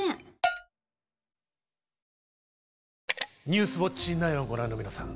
「ニュースウオッチ９」をご覧の皆さん